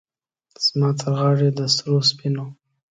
زما ترغاړې د سرو، سپینو،